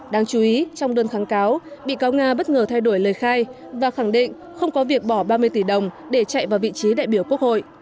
đáng chú ý trong đơn kháng cáo bị cáo nga bất ngờ thay đổi lời khai và khẳng định không có việc bỏ ba mươi tỷ đồng để chạy vào vị trí đại biểu quốc hội